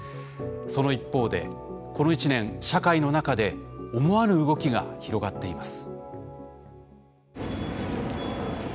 その一方でこの一年、社会の中で思わぬ動きが広がっています。